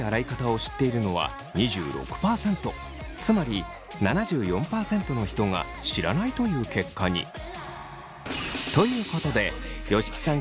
つまり７４％の人が知らないという結果に。ということで吉木さん